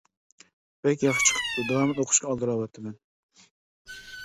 بەك ياخشى چىقىپتۇ، داۋامىنى ئۇقۇشقا ئالدىراۋاتىمەن!